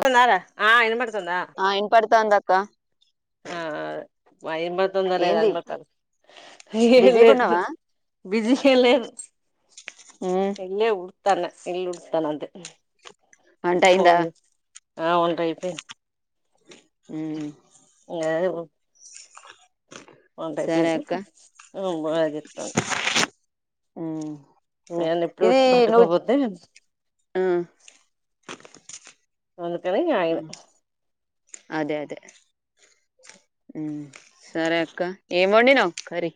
స్తుందార ఆ ఇన్బడ్తుందా కా ఆ మా ఎన్ బడ్ తుందో అనే ఏంది అన్మాలే బిజీగా ఉన్నావా బిజి వెళ్లే ఉమ్ ఎళ్ళే ఉఊ తన్న ఇల్లు ఉడుస్తాను అంతే వంట అయిందా పోని అ వుంటయి అయితే ఉ య్యా గుం వంట సరే అక్క అయిపోయితే బాగా చెప్తాం ఆ సరే ఇది నువ్ పట్టుకోపోతే అ వందు కనీ ఆయన ఉమ్ అదే అదే సరే అక్క ఏమండి నవ కరి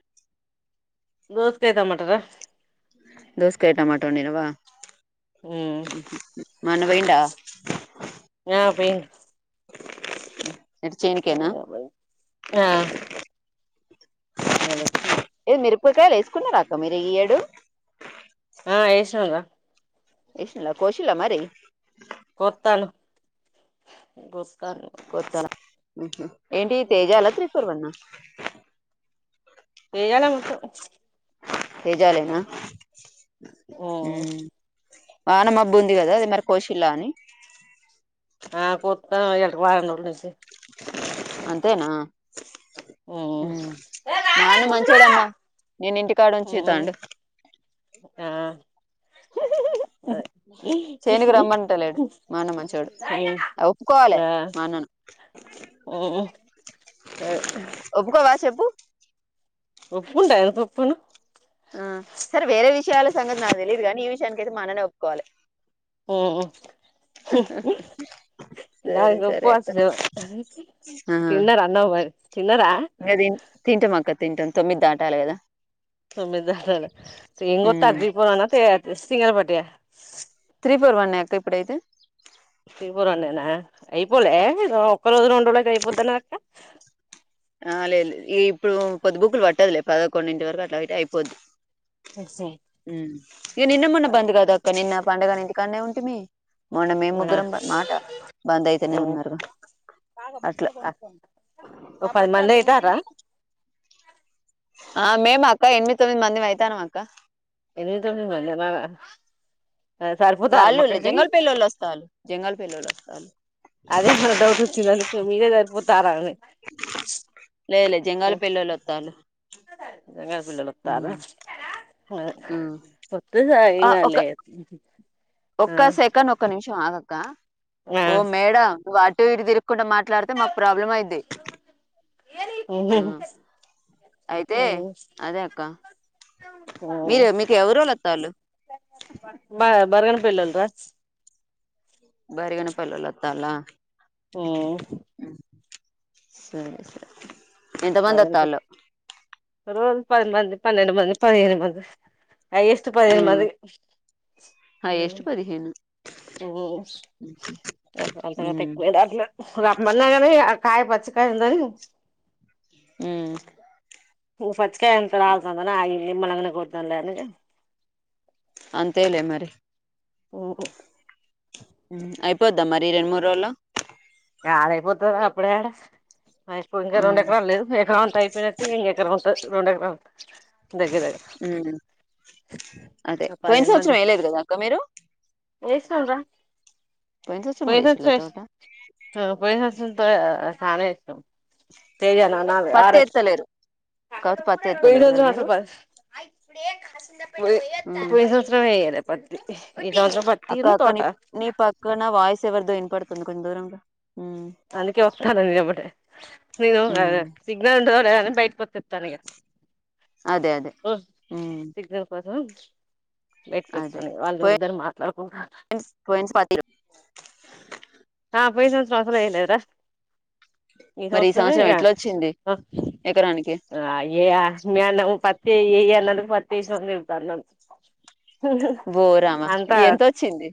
దోసకాయ్ తమటా రా దోసకాయ్ టమాటోనిర్వా ఆ పయి ఎటు చేనుకేనా ఆ ఏలక్షిల్ ఏది మిరుపకాయ లే వేసుకున్న అక్క మీరు ఈయడు ఆ వేసినంద ఇష్టల కోశిల్ల మరి కోత్తాళ్ళు కొత్తలా ఏంటి తేజాల త్రిపుర్వన్న ఏజాలె మొత్తం, తేజాలేనా ఓ ఉమ్ వాన మబ్బు ఉంది కదా, అదిమరి కోశిల్లా అని ఆ కొత్త ఈయాల వడ నుంచి అంతేనా ఉమ్ నిన్ను ఇంటికాఉంచుతాండు ఆ చేనుకు రమ్మంటలేడు, మా అన్న మంచోడు అదే ఒప్పుకోవాలే ఆ మా అన్నను, ఒప్పుకోవా చెప్ ఒప్పుకుంటా ఎందుకు ఒప్పుకోను. ఆ సారె వేరే విషయాల సంగతి నాకు తెలీయదు గానీ, ఈ విషయానికైతే మాన్ననే ఒప్పుకోవాలే. ఉమ్ సరే దానికి చెప్పు సరే అక్క ఫస్ట్, తిన్నారా అన్నం మరి. తిన్నరా ఇఇంగ తిం తింటమక్క తింటాను తొమ్మిది దాటాలి కదా. తొమ్మిది దాటాలే, [unintelligible] త్రీ ఫోర్ అన్నా తయార్ జెస్ సింగిరపటయా త్రీ ఫోర్ వన్నె అక్క ఇప్పుడయితే. త్రీ ఫోర్ వన్నెనా అయిపోలే, ఆ ఒక్క రోజు రెండు రోజులకి అయిపోద్దనక్క ఆ లేదు లేదు, ఈ ఇప్పుడు పొద్దు బుక్లు పట్టదులే పదకొండింటి వరకు అట్లా అయితే అయిపోద్ది. ఇగ నిన్న మొన్న బంద్గక్క నిన్న పండగనే ఇంటికాన్నె ఉంటిమి. మొన్న మేం అవునా ముగ్గురం మాట బంద్ అయితనే ఉన్నరు, అట్లా ఓ పది మంది అయితారా [unintelligible] ఆ మేము అక్క ఎనిమిది తొమ్మిది మందిమి ఐతాన్నం అక్క. ఎనిమిది తొమ్మిది మందా బావ వాళ్ళు లే జంగ పెల్లోల్లు వస్తళ్ళు, జంగల్ పెల్లోల్లు వస్తారు, అదే మన డౌట్ వచ్చింది మీరే సరిపోతారా అని లేదు లేదు జంగాలి పెల్లోల్లు ఒత్తాళ్ళు. జంగాల పెల్లోల్లు ఒత్తాళ్ళు. ఆ ఒత్త ఆ ఒక సాయేంగాదులే ఒక్క సెకండ్ ఒక్క నిమిషం. ఆగక్క ఆ ఓ మేడం వా ఎడిది కుడా మాట్లాడితే మాకు ప్రాబ్లం అయింది హు అయితే అదే అక్క ఆ మీరు మీకు ఎవరోళ్ళు వత్తాలు బ బనగానపల్లిఒలో రా బనగానపల్లెల్లో అస్తాండ్రా సరే సరే బరగన ఎంతమందింతొత్తాలు రోజు పదిమంది పన్నెడు మంది పదిహేను మంది అయ ఎస్ పది [unintelligible] ఆ ను మది ఆ ఎస్ట్ పదిహేను అ రామ కాయ పచ్చ [unintelligible] కందా [inaudible] పచ్చికాయ అంత రాల్తందని ఆగిన [unintelligible] అంతేలే మరి ఓ హు అయిపోద్దా మరి రెండు మూడు రోజులు కాలేపోత అప్పుడే [unintelligible] ఇంకా రెండు మ్ ఎడ లేదు ఎడ ఉంటాయి గట్టిగా ఎ రెండు ఎకరాలు ఉంటాయి హు అదే పోయిన్ పదిహేను సంవత్సరం మంది వేయలేదా అక్క మీరు వేసినాం రా పోయిన సంవత్సరం కూడా ఏషియా తోట పోసంతో [unintelligible] సన ఇష్టం పత్తి ఎత్తలేరు కాకపోతే పత్తి ఎత్తలేరు కదా మీరు మ్ [unintelligible] అక్క అక్క ని నీ ప అక్కన వయిస్ ఎవరి దోయిన పడుతుంది కొం [unintelligible] అందుకే వస్తాన ని [unintelligible] నను మ్ [unintelligible] సిగ్నల్ ఉండోడ బయటికి వచ్చేత్తా ఈగ అదే అదే హు బయట్కొచ్చకని వాళ్ళు ఇద్దరు మాట్లాడకుడ స్ పోయిన స్ పత్తి ఆ పైస శ్వాస వెయ్యలేదు రా ఈ సంవత్సరం ఇగా ఆ ఎకరానికి [unintelligible] పత్తి ఇయ్యాల రేప్పతీసినోల్లున్న తిడుతున్న బోరామా ఎంతొచ్చింది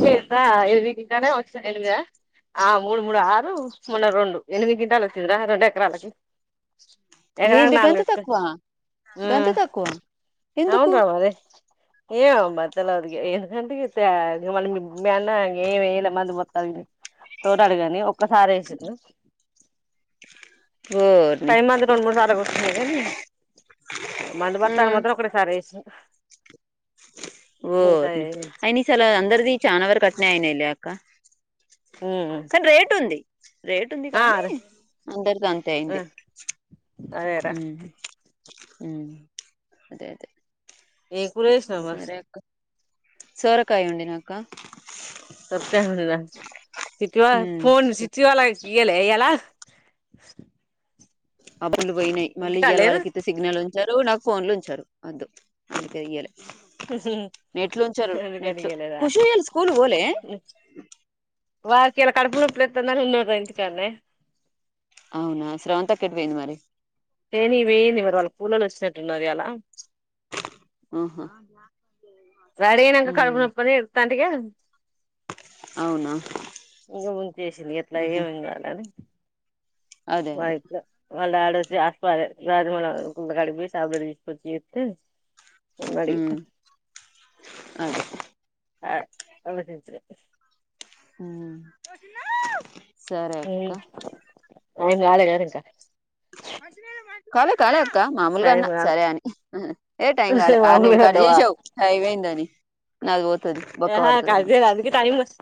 చేతా ఎది ఇంనే వా ఎనిమిద ఆ మూడు మూడు ఆరు మొన్న రెండు ఎనిమిది గింటాలు వచ్చిందరా రెండు ఎకరాలకి ఎకరానికి ఏంది గంధ నాలుగు తకువా గంంత మ్మ్ తక్కువా ఎందుకు ఏం బతలవది ఎందుకంట మ ఏం ఏ మ మొత్త తో డగా కథ రేస ఓర్ని ఫైవ్ మంది రెండు మూడు సార్లు కొతు కాని మంది బస్తాలు మ్ మాత్రం ఒకటిసారి వేస ఓ మిగతాయి అయి ని చల అందరిది చానావ కట్నా అయిన కా మ్మ్ కానీ రేటు ఉంది రేటు ఉంది ఆ కానీ అదే అందరితో అంతే అయింది అదేరా అదే అదే ఏకుసినమస్ సరే అక్క సోరకాయ ఉండి నాకా సర్కా సిటీవా ఉమ్ ఫోన్ సిటీ వాల ఇలే ఎలా అబ్బలు పోయి మళ్ళ ఇ్యళ లేరు వాళ్ళకితే సిగ్ల్ ఉంచారు నాకు ఫోన్లు ఉంచారు వద్దు అదికియాలి నెట్లు అందుకడిగలేదా ఖుషి ఇయ్యాల స్కూల్ పోలే వారికి ఎలా కడుపులుట్లే ఎన్న ఎంతకణ అవునా శ్రవంత కట్పోయింది మరి ఏను ఇవేన్వరు వాళ కూలలు వచ్చిన న్నదాల ఆఓహ రడే నాకు కడుపు నొప్పనేే స్తాంతకా అవునా ఇంక ముంచేసింది ఎట్లా ఉహు, ఏమి కాలని అదే అదే వయిట్ల మళ్ళ మడి బసి తీసు ఉమ్ అదే ప [unintelligible] హ సరే అక్క [unintelligible] కాలే కాల టైం మామూలుగాన్నా కాలే సరే అని ఏ టైం కాలే ఆరు నుు మామూలుగా కర్ అన్నవా చేసావు అైవయిందని నాలుగు ఏహా కాజద అందుక తానిస్త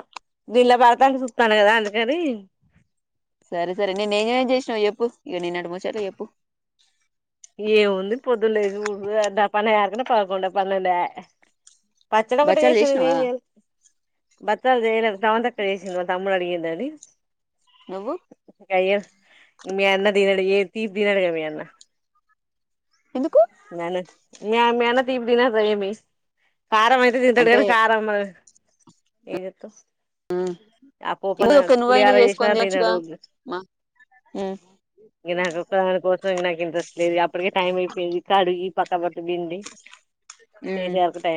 దిళ్ భర్తానికి చుస్తాను కదా అండి గడి సరే సరే నేను నేం చేసినావు చెప్పు ఇక నిన్నటి ముచ్చారు చెప్పు ఏ ముంది పొద్దునలేసి ఊపు అంత పనేయేవరకునా పదకొండు పన్నెడు ఆయె పచ్చడి ఒక్కటి బచ్చాలు చేసింది ఎం చేసినావా చేయాలె బచ్చాలు చేయలేదు సమంతక్క చేసింది మా తమ్ముడు అడిగింద ఐస్ నువ్వు మీ అన్న తినడు ఎం తీపి తినడుగా మీ అన్న ఎందుకు నేను మే మేన తిపి తిన భయమేస్ కారం అయితే తింటాడు అంటే కానీ కారం మన ఏం కరమైతే తింటాడు గని కారం మ ఎం జెతావ్ ఆ ఇది పొపన్న ఒక నువ్వైనా పులిహర చేసినా చేసుకొని తినొచ్చుగా తినాడు మా ఉమ్ ఈగ నా ఒక్క దాని కోసం నాకు ఇంట్రెస్ట్ లేదు అప్పటికి టైం అయిపోయది ఈ పక్క బింది ఉమ్ చేసేవరకు టై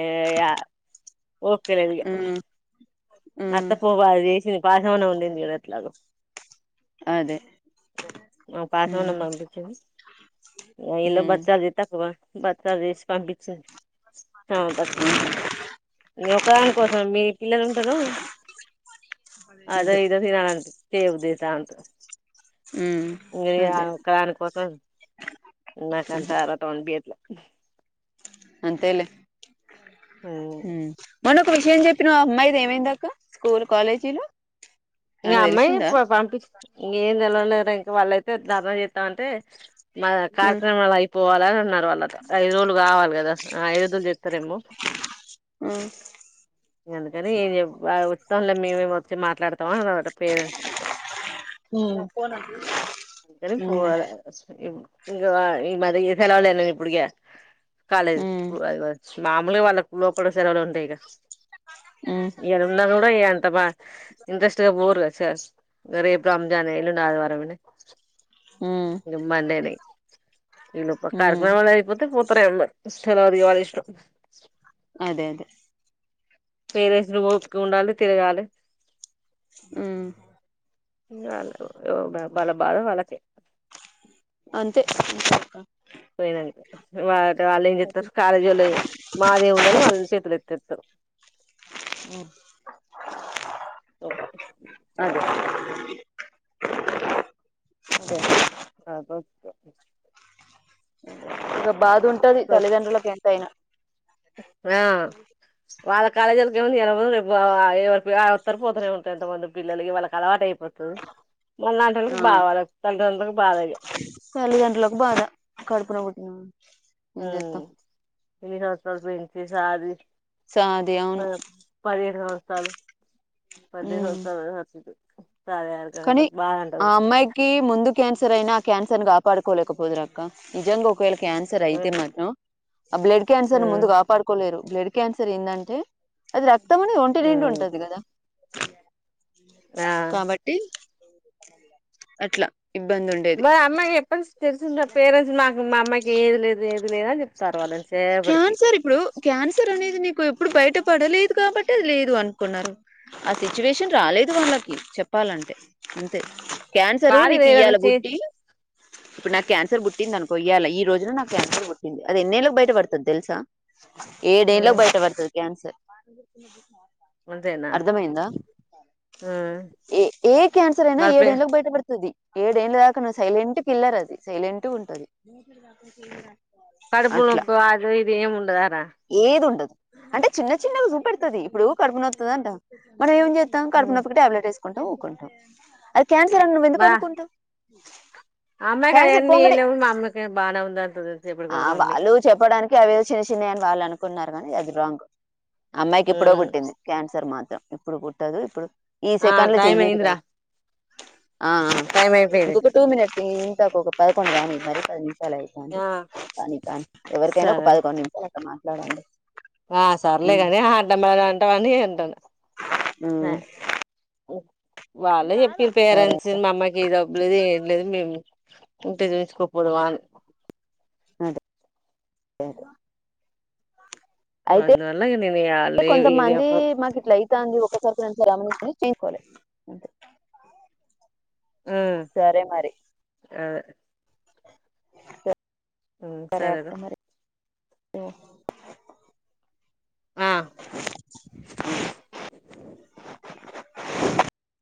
ఓపిక లేదు ఇగ ఉమ్ అత్త ఉమ్ పో అది చేసి పాషామ్ అన్నం అండింది గద ఎట్లాగొ అదే నాకు పాషమ్ ఉమ్ అన్నం పంపించు ఈల్లు ఉమ్ బచ్చలు వ బచల్ చేసి పంపించండి అ పట్ ఈగ ఒకదానికోసం మీ పిల్లలు ఉంటరు అదో అదే ఇదో తినలని చేయబుద్ది దాన్ తో ఉమ్ అదే ఇంకా ఆడికి పోతాం నాకంత లా అంతెలే ఉ మనం ఒక విషయం చెప్పినవ్ అమ్మాయిది ఏమైంది అక్క స్కూల్ కాలేజీలు ఇం అమ్మాయి పంపిచి ఇగ ఏం తెలువలేదు ఇంకా వాళ్ళ [unintelligible] మ ఉమ్ కార్యక్రమాలు అయిపోవాలా వాళ్ళ ఐదు రోజులు కావాలి కదా అయనతో జెప్ [unintelligible] ఉమ్ ఇంకా అందుకని ఏంచెప్ బాధపడి వత్తం లె మేమే వచ్చి మాట్లాడతాం అన్నారంట పేరెంట్స్ హ్మ్ ఎల్లున్ పోవాలి అస్ప హిం ఇంకా ఈ మారి సెలవలేన ఎప్పుడికే కాలేద్ ఉమ్ మామూలుగా వాళ్లకు లోకలు సెలవులు ఉంటాయి గ ఎదున్న ఉన్నా కూడా ఎంత బ ఇంట్రెస్టగ పోరు గ సార్ రేపు రమజాన్ ఎల్లుండి ఆదివారం ఉమ్ ఇంకా మండే నీ ఇ ఉమ్ కారకునా వాళ్ళ అయిపోతే పో ప్పదు వాళ్ళ ఇష్టం అదే అదే పేరెంట్స్ ను ఓపిక ఉండాలి తిరగాలి ఆ వాళ్ళ బాధ వాళ్ళ కీ అంతే పోయినండి వాళ్ వాళ్ళు ఏం చెతారు కాలేజీ వాళ్ళ మాదేమి ఉందని వాళ్ళ చేతులు ఎత్తేస్తారు అ అదే అదే ఆ బాధంటది తల్లిదండ్రులలకు ఎంతయినా ఆ వాళ్ళ కాలేజీలకి ఏమ ఎ ఉత్తర్ పోతనేవుంటారు ఎంత మంది పిల్లకి వాళ్ళకీ అలవాటు అయి తు మన ఆ లాంటిల్లకి బాధ తల్లిదండ్రులకు బాధ ఆ ఎం ఉమ్ చెత్తం ఇన్ని సంవత్సరాలు పెంచి సది అది ప అవును పదిహేడు సంవత్సరాల పది ఉమ్ సంవత్సరాల కానీ ఆ అమ్మాయికి ముందు క్యాన్సర్ అయినా క్యాన్సర్ ని కాపాడుకోలేకపోదు అక్క నిజంగా ఒకవేళ క్యాన్సర్ అయితే ఉమ్ మాత్రం ఆ బ్లడ్ క్యాన్సర్ ముందు ఉమ్ కాపాడుకోలేరు బ్లడ్ క్యాన్సర్ ఏంద అంటే అ తము ఒంట నిండా ఉమ్ ఉంటది కదా ఆ కాబట్టి అట్లా ఇబ్బంది ఉండేది బ అమ్మా హప తెసంట పరంట్స్ నాకు మామ్మకి ఏది లేదు ఏది లేద క్యాన్సర్ ఇప్పుడు క్యాన్సర్ అనేది న ఎప్పుడు బయట పడలేదు కాబట్టి అది లేదు అనుకున్నారు ఆ సిచ్యువేషన్ రాలేదు వాళ్ళకి చెప్పాలంటే అంతే క్యాన్సరు బాడీ నీకు లేదని ఇయ్యాల చే బుట్టి ఇప్పుడు నాకు క్యాన్సర్ పుట్టింది అనుకోయాలి ఈ రోజున నాకు క్యాన్సర్ పట్టింది అది ఎన్నెలకు బయట బడుతుది తెల్సా ఏడేళ్ల కు బయట పడుతది కాన్సర్ అంతేనా అర్ధమయిందా ఏ ఏ క్యాన్సర్ అయినా మరి పే ఏడేళ్లకు బయట పడుతుది ఏడేళ్ళ దాకా నువ్వు సైలెంట్ పిల్లర్ అది సైలెంట్ ఉంటది అట్లా కడుపులుపు అదు ఇది ఏం ముండదార ఏది ఉండదు అంటే చిన్న చిన్నగా చూపెడుతుది ఇప్పుడు కడుపున వవుతుదంట మనం ఏం చే ఎ కడపునప్పుకి టాబ్లేట్ ఊకుంటావు అయి క్యాన్సల్ అని నువ్వు ఎందుకు అనుకుంటావు అమ్మ క్యాన్సర్ కనీ పొంగడే ఎళ మామ బానా ఉంద ఆ వాళు చెప్పడానికి అవేదో చిన్న చిన్నవియని వాళ్ళు అనుకుున్నారు కానీ అది రాంగ్ అమ్మాయికి ఎప్పుడో పుట్టింది క్యాన్సర్ మాత్రం ఇప్పుడు కుట్టదు ఇప్పుడు ఈ ఆ సెకండ్ లో టైం చెయ్యేది అయిందిరా కాదు ఆ టైం అయిపోయింది ఇంకొక టూ మినిట్స్ ఇంంతక పదకొండు దనికి మర కా చలాయిపోండి ఆ కానీ కానీ ఎవరికైనా ఒక సరే పదకొండు నిమిషాలు మాట్లాడండి ఆ సర్లే ఉమ్ కాని ఆడ్డంబ అంటవని అంటాన ఉమ్ వాళ్ళే చెప్పిర్రు సరే పెరెంట్స్ అక్క మా అమ్మకి ఏ జబ్బు లేదు ఇం లేదు మేము ఉంటే చెఇంచుకో పొదుమా అన్ అదే అే అందువల్ల ఇగ నీను ఇగ లే యి ది అప్ [unintelligible] కొలె హు మరి అదే ఉ సరే రా ఓ ఆ